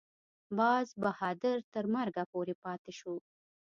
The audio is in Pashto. باز بهادر تر مرګه پورې پاته شو.